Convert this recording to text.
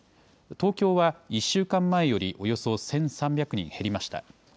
東京は１週間前よりおよそ１３００人減りました。